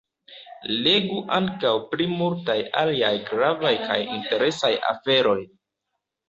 Legu ankaŭ pri multaj aliaj gravaj kaj interesaj aferoj!